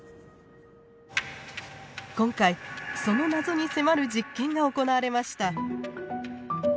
今回その謎に迫る実験が行われました。